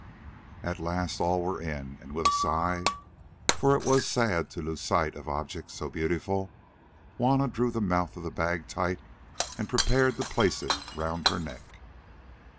At last all were in, and with a sigh—for it was sad to lose sight of objects so beautiful—Juanna drew the mouth of the bag tight and prepared to place it round her neck.